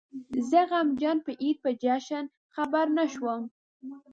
زه غمجن په عيد په جشن خبر نه شوم